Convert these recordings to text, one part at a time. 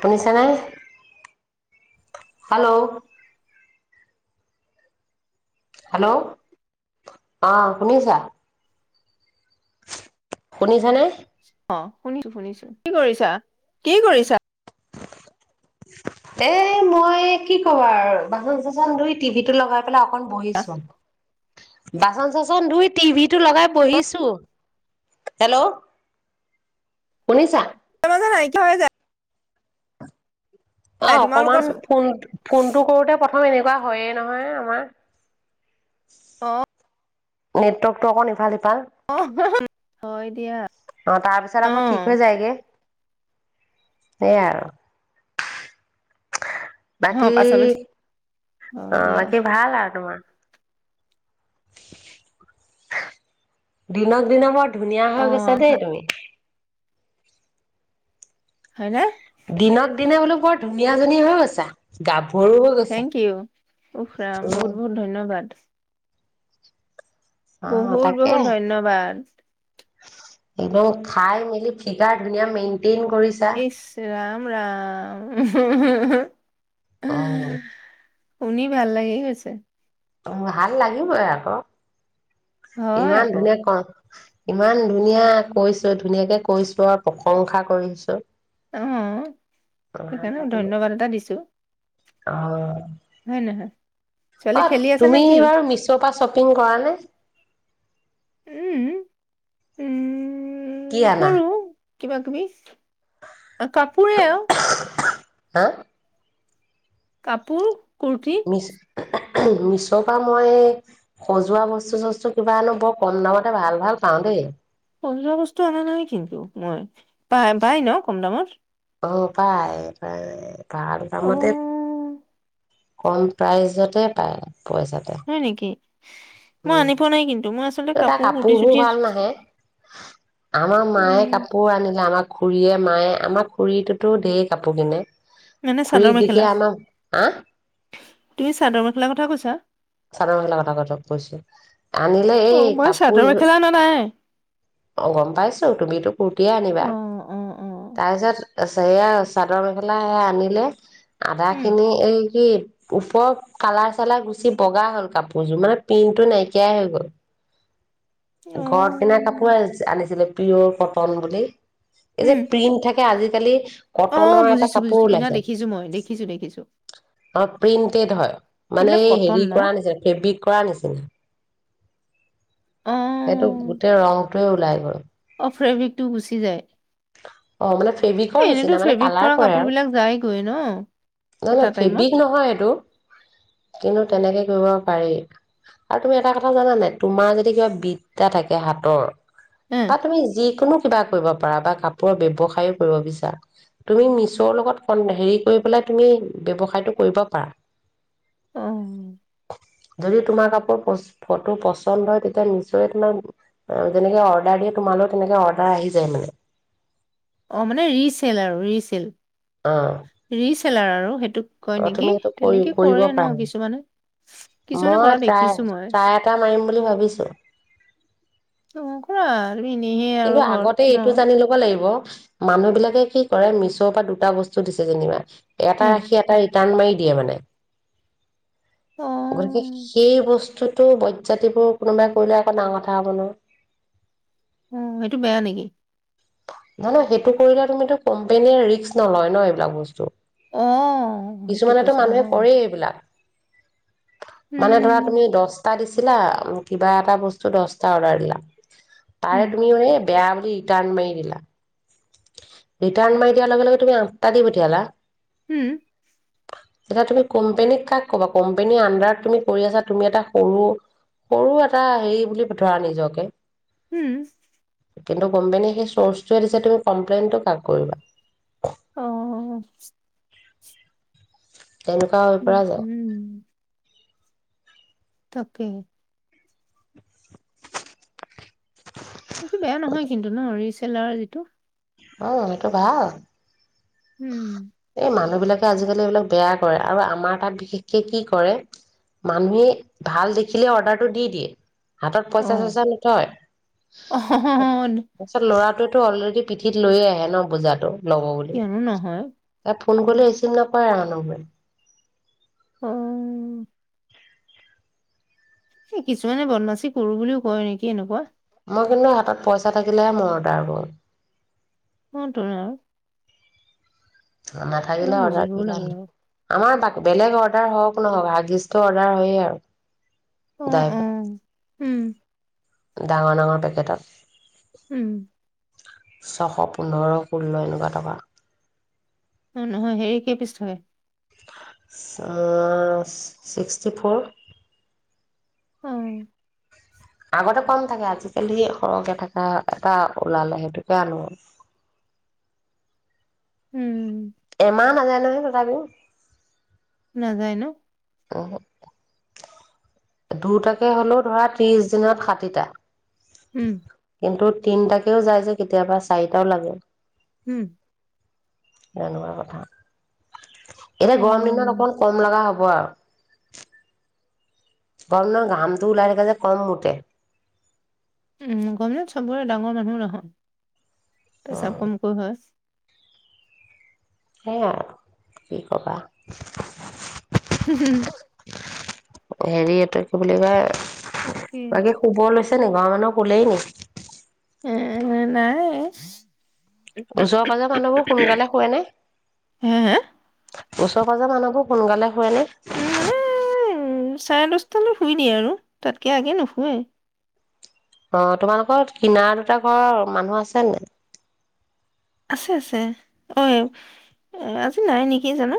শুনিছানে hello hello অ শুনিছা শুনিছানে অ শুনিছু শুনিছু কি কৰিছা কি কৰিছা এ মই কি কবা আৰু বাচন থাচন ধুই টিভি লগা [unintelligible] অকন বহিছু বাচন থাচন ধুই টিভিটো লগাই বহিছু হেল্লো শুনিছা [unintelligible] অ যায় অকমান তোমালোকৰছো ফোনটো ফোনটো কৰোতে প্ৰথমে এ কোৱা হয়ে নহয় আমাৰ অ নেটৱৰ্কতো অলপ ইফাল সিফাল অ অহ হ অই অ তাৰ পিছত আৰু থিক হৈ যাই গে সেয়াই অ বাকি পাছলৈ ঠিক হয় দিয়া বাকি ভাল আৰু তোমাৰ দিনক দিনে ধুনীয়া অ সৈ গৈছা দে তুমি হয়নে? দিনক দিনে বলু বৰ ধুনীয়াজনী হৈ গৈছা হৈ গৈছা। থেঙ ইও উফ ৰাম উম। বহুত বহুত ধন্যবাদ অ বহুত তাকে বহুত ধন্যবাদ একদম খাই মিলি ফিগাৰ ধুনীয়া মেন ইছ ৰাম! ৰাম উমহ উমহ উমহ অ' শুনি ভাল গৈছে অ ভাল লাগিবই আকৌ হয় ইমান আকৌ ধুনীয়া ক ইমান ধুনীয়া কৈছো ধুনীয়া কে কৈছো আৰু প্ৰসংশা কৰিছো অ ভাল এইকাৰণে লাগিব ধন্যবাদ এটা দিছো অ। হয়নে নহয় ছোৱালী খেলি [inaudible] আছে নে তুমি কি বাৰু মিছোৰ পৰা ছোপিং কৰা নে উমহ উম হ কি আনা কিবা কিবি কাপোৰে আৰু [unintelligible] কাপোৰ কুৰ্তি [unintelligible] মিছো পৰা মই সজোৱা বস্তুটো সোষ্টো কিবা বৰ কম দামত পাওঁ দে বৰ ভাল ভাল সজোৱা বস্তুটো অনা নাই নেকি পাই পাই ন কম দামত অহ পাই ভাল অ দামত কম প্ৰাইজ তে পাই, হয় নেকি? মই আনি পোৱা নাই কিন্তু মই আচলতে কুৰ্তি কাপোৰ বোৰ চুটি ভাল নাহে আমাৰ মায়ে উম কাপোৰ আনিলে। আমাৰ খুৰীয়ে মায়ে আমাৰ খুৰীটো ধেৰ কাপোৰ কিনে, মানে চাদৰ খুৰীৰ মেখেলা তেতিয়া আমাৰ আহ! তুমি চাদৰ মেখেলা কথা কৈছা। চাদৰ মেখেলা আনিলে অ এই মই চাদৰ মেখেলা অনা নাই অহ গম পাইছোঁ তুমি টো কুৰ্টি আনিবা। অ অ অ এইয়া চাদৰ মেখেলা আনিলে। আদা উম খিনি এই কি? ওপৰৰত কালাৰ চালাৰ গুচি বগা হ'ল কাপোৰযোৰ মানে পিন্টো নাইকিয়াই হৈ গ'ল অ ঘৰত কিনা কাপোৰ আনিছিলে। পিয়'ৰ কটন বুলি। এই যে উম প্ৰীম থাকে আজি, কি? অ কটনৰ এটা বুজিছো কাপোৰ বুজিছো পিন্ধা ওলাইছে দেখিছো মই দেখিছো দেখিছো প্ৰিন্টেড হয় মানে সেইবিলাক হে কটন হেৰী, ন কৰা নিচিনা ফেব্ৰিক কৰা নিচিনা সেইটো অ গোটেই ৰং তে ওলাই গল ফ্ৰেব্ৰিকটো গুচি যায়। অ মানে এ ফেব্ৰিকৰ এনেইতো নিচিনা মানে ফেব্ৰিক কৰা কাপোৰ বিলাক যায়গৈ ন নহ এটা নহয় টাইমত ফেব্ৰিক নহয় এইটো কিন্তু তেনেকে, কৰিব পাৰি আৰু তুমি এটা কথা জানানে তোমাৰ যদি কিবা বিদ্যা থাকে হাতৰ হে বা তুমি যিকোনো কিবা কৰিব পাৰা বা কাপোৰৰ ব্যৱসায়ও কৰিব বিচাৰা। তুমি মিছৰ লগত ক হেৰি কৰিব পেলাই তুমি ব্যৱসায়টো কৰিব পাৰা। অহ' যদি তোমাৰ কাপোৰ ফটো পছন্দ হয়। তেতিয়া মেছই তোমাক আহ যেনেকে অৰ্ডাৰ দিয়া তোমাৰলৈ তেনেকে অৰ্ডাৰ আহি যায় মানে অ' মানে ৰিচেল আৰু ৰিচেল অ' ে [unintelligible] লাৰ আৰু সেইটো তোক কয় অ নেকি তুমি সেইটো কৰি তেনেকে কৰিব কৰে ন পাৰা কিছুমানে কিছুমানে মই কৰা টাই দেখিছো মই ট্ৰাই এটা মাৰিম বুলি ভাবিছোঁ। অ কৰা তুমি এনেহে আৰু কিন্তু ঘৰত আগতে ন এইটো জানি ল'ব লাগিব। মানুহ বিলাকে কি কৰে মিছৰ পৰা দুটা বস্তু দিছে যেনিবা। হ এটা ৰাখি এটা ৰি ৰিটান মাৰি দিয়ে মানে অ গতিকে সেই বস্তুটো বজজাতিবোৰ কোনোবাই কৰিলে আকৌ না কথা হ'ব ন! উম, সেইটো বেয়া নেকি? নহ নয় সেইটো কৰিলে তুমিতো কোম্পেনীয়ে ৰিস্ক নলয় ন এইবিলাক বস্তু অ সেইটো কিছুমানেতো কৈছে অ মানুহে কৰেই এইবিলাক মানে ধৰা উম তুমি দশটা দিছ। [inaudible] [inaudible] ৰিয়ান মাৰি উম বিৰলা ৰিটাৰ্ণ মাৰি দিয়াৰ লগে লগে তুমি আঠটা দি পঠিয়ালা। উম। এতিয়া তুমি কোম্পানীত কাক কবা কোম্পানী আনডাৰত তুমি কৰি আছা তুমি এটা সৰু সৰু এটা হেৰি বুলি ধৰা নিজকে উম। [inaudible] [inaudible] অহ' উম [inaudible] তাকেই [unintelligible] বেয়া নহয় কিন্তু ন' ৰিচ [unintelligible] অ', সেইটো ভাল। উম! [unintelligible] হাতত পইচা অ', চইচা নথয়, অ', তাৰচত ল'ৰাটো [unintelligible] কিয় নহয়! ফোন কৰিলে ৰিচিভ নকৰে [unintelligible] অ' অ' কিছুমানে বদমাছি‌ কৰু বুলি কৰে এনেকুৱা, মই কিন্তু হাতত পইচা থাকিলে হে মই অৰ্ডাৰ কৰু [unintelligible] [unintelligible] অলপ গিলা অৰ্ডাৰ বুজিবও কৰিলে লাগে বাৰু [unintelligible] আমাৰ বেলেগ অৰ্ডাৰ হক নহক হাগিছটো অৰ্ডাৰ হয়ে আৰু অ' আ ডাইভাৰ হম ডাঙৰ ডাঙৰ পেকেটত, উম! ছশ পোন্ধৰ ষোল্ল এনেকুৱা টকা। অ' নহয় হেৰি কেই পিছ ধৰে? অ' ছিক্সটি ফ'ৰ। অ'। আগতে কম থাকে। আজিকালি সৰহ কে থকা এটা ওলালে সেইটো আনো। হম। এমাহ নজায় নহয় তথাপিও। নাজায় ন। অ হ [unintelligible] দুটাকে হ'লেও ধৰা ত্ৰিশ দিনত ষাঠিটা। হম। তো তিনিটাকেও যায় যে কেতিয়াবা চাৰিটাও লাগে। হম। এনেকুৱা কথা। এতিয়া গৰম দিনত অ', অকন কম লগা হ'ব। কোৱা। গৰম দিনত ঘাম ওলায় থাকে যে কম মুতে। উম গৰম দিনত চবৰে ডাঙৰ মানুহৰো নহয় উম পেছাপ কমকৈ হয়। হে আৰু কি ক'বা? [inaudible] হেৰি এইটো কি বুলি কয়? তাকে বাকী শুবলৈছে নেকি ঘৰৰ মানুহ। শুলেই নি এ এ নাই। ওচৰৰ পাজৰৰ মানুহবোৰ সোনকালে শুৱে নে? হে হে ওচৰ পাজৰ মানুহবোৰ সোনকালে শুৱে নে? উম, মানে উ চাৰে দচ শুই দিয়ে আৰু তাতকে আগে নুশুৱে। অ', তোমালোকৰ কিনাৰ দুটা ঘৰৰ মানুহ আছে নে? আছে, আছে অ', আজি নাই নেকি জানো।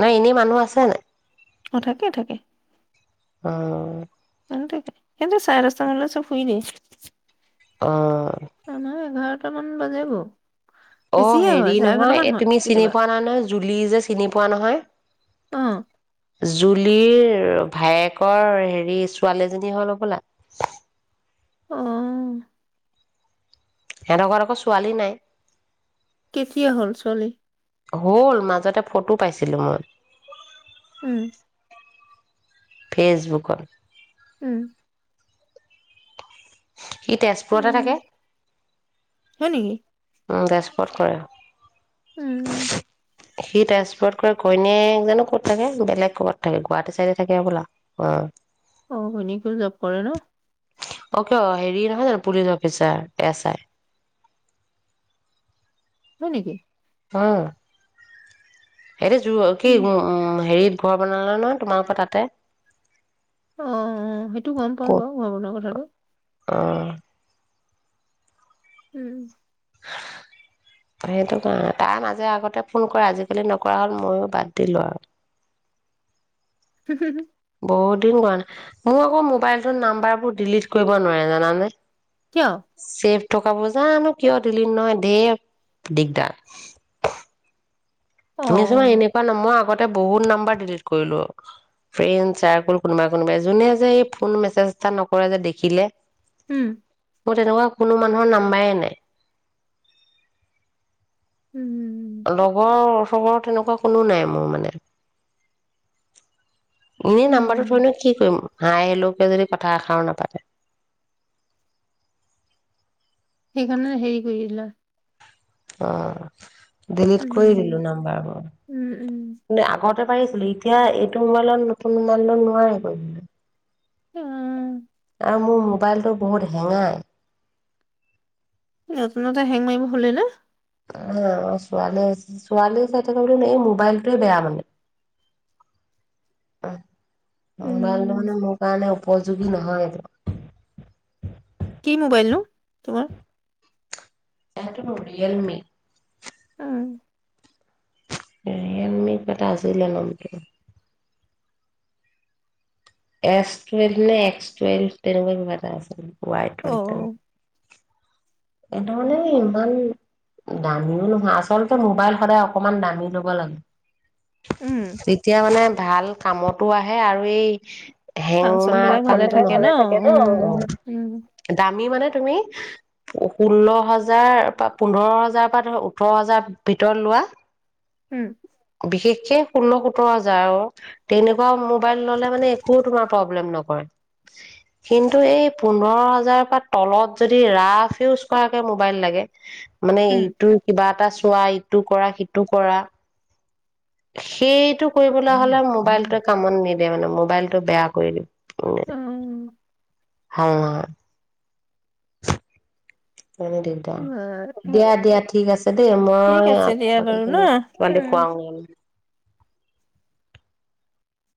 নাই এনেই মানুহ আছে নাই? অ', থাকে, থাকে। অ'। কিন্তু চাৰেদস্তা মানলৈ চ'ব শুই দিয়ে। অ', আমাৰ এঘাৰ এটামান বাজিব। অ', হেৰি নহয় এ তুমি চিনি কেতিয়াবা পোৱা নাই নহয় জুলি যে চিনি পোৱা নহয়? অ জুলিৰ ভায়েকৰ হেৰি ছোৱালীজনী হ'ল হ'বলা। অ'। সেহঁতৰ ঘৰত আকৌ ছোৱালী নাই কেতিয়া হ'ল ছোৱালী? হ'ল, মাজতে ফটো পাইছিলো মই। উম। ফেচবুকত উম। সি তেজপুৰতে উম থাকে। হয় নেকি উম, তেজপুৰত কৰে। উম। সি তেজপুৰত কৰে ঘৈনীয়েক জানো ক'ত থাকে বেলেগ ক'ৰবাত থাকে গুৱাহাটী চাইডে থাকে হ'বলা অ'। অ', ঘৈনীয়েকো জব কৰে ন? অ', কিয় হেৰি নহয়, জানো পুলিচ অফিচাৰ? S I. হয়, নেকি? হয়। সেইতি যোৰ উম কি-হেৰি ঘৰ বনালা ন তোমালোকৰ তাতে? অ', অ', সেইটো গম পাওঁ ক'ত বাৰু ঘৰ বনোৱা কথাটো অ'। উম। সেইটো কাৰণে তাৰ মাজে আগতে ফোন কৰে আজিকালি নকৰা হ'ল, মইয়ো বাদ দিলো আৰু। বহুত দিন কৰা নাই মোৰ আকৌ মোবাইলটো নাম্বাৰবোৰ ডিলিট কৰিব নোৱাৰে জানানে। কিয় চেফ থকাবোৰ জানো কিয় দিলিট নহয় ঢেৰ দিগদাৰ, অ নিছো মই এনেকুৱা নামই আগত [unintelligible] বহুত নাম্বাৰ ডিলিট কৰিলো ফ্ৰেন্ড চাৰক'ল কোনোবাই কোনোবাই যোনে যে এই ফোন মেছেজ এটা নকৰে যে দেখিলে উম! অ' তেনেকুৱা কোনো মানুহৰ নাম্বাৰে নাই [inaudible] লগৰ চহৰ তেনেকুৱা কোনো নাই মানে? এনে উম নাম্বাৰ টো উম থৈ নো কি কৰিম মই হাই হেল্ল' কে যদি কথা এবাৰো না পাতে সেইকাৰনে হেৰী কৰিলা, অহ! দেলেটে কৰি উম দিলোঁ নাম্বাৰ আকৌ উম, উম। আগত আগতে পৰিছিলোঁ এতিয়া এইটো নতুন মোবাইল নোৱাৰি। উম! আৰু মোৰ মোবাইল টো বহুত হেংগাই, নতুনতে হেং মাৰিব হলেই না ছোৱালী চাই থাকিলে নে এই মোবাইল টোৱে বেয়া, মোবাইল উম, টো মোৰ কাৰণে, উপযোগী নহয়। কি মোবাইল নো তোমাৰ, এইটো মোৰ ৰিয়েল মি। উম। ৰিয়েল মি কিবা এটা আছিলে নাম টো। এছ টোৱেলভ নে এষ্ক টোৱেলভ নে তেনেকুৱা কিবা এটা আছিলে। ওৱাই অ', টোৱেলভ। এইটো মানে ইমান দামী নহয়। আচলতে সদায় অকণমান দামী লব লাগে। উম, তেতিয়া মানে ভাল কামটো আহে আৰু ই হেং ফাংচন বিলাক ভালে মাৰা থাকে ন উম, উম, দামী মানে তুমি ষোল্ল হাজাৰ বা পোন্ধৰ হাজাৰ বা ওঠৰ হাজাৰ ভিতৰত লোৱা উম। বিশেষ কে ষোল্ল হাজাৰ, সোতৰ হাজাৰ আৰু তেনেকুৱা মোবাইল ল'লে মানে একো তোমাৰ প্ৰব্লেম নকৰে। কিন্তু পোন্ধৰ হাজাৰ পৰা তলত যদি ৰাফ ইউজ কৰাকে মোবাইল লাগে মানে উম, এইটো কিবা এটা খোৱা ইটো কৰা সিটো কৰা। সেইটো কৰিব হ'লে মোবাইল টোৱে কামত নি দিয়ে মানে মোবাইল টো বেয়া কৰি দিব। উম। হয় [unintelligible] বহুত দিগদাৰ বাৰু, দিয়া দিয়া ঠিক আছে দেই ঠিক মই আছে দিয়া বাৰু ন? আৰু উম। খোৱাও,